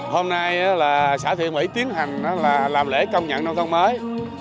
hôm nay xã thiện mỹ tiến hành làm lễ công nhận nông thôn mới